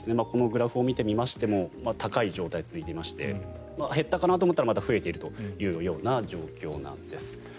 このグラフを見てみましても高い状態が続いていまして減ったかなと思ったらまた増えたかなという状況なんです。